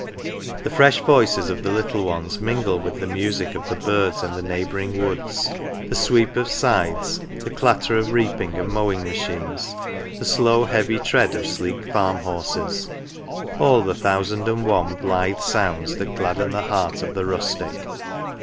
The fresh voices of the little ones mingle with the music of the birds in the neighbouring woods, the sweep of scythes, the clatter of reaping and mowing machines, the slow heavy tread of sleek farm horses all the thousand and one blithe sounds that gladden the heart of the rustic.